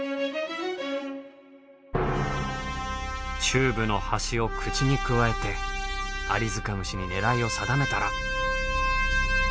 チューブの端を口にくわえてアリヅカムシに狙いを定めたら。